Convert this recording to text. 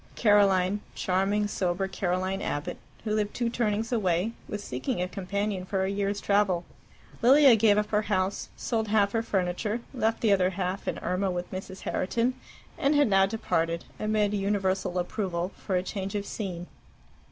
Caroline, charming, sober, Caroline Abbott, who lived two turnings away, was seeking a companion for a year's travel. Lilia gave up her house, sold half her furniture, left the other half and Irma with Mrs. Herriton, and had now departed, amid universal approval, for a change of scene.